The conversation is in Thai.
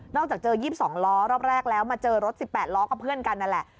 จากเจอ๒๒ล้อรอบแรกแล้วมาเจอรถ๑๘ล้อกับเพื่อนกันนั่นแหละ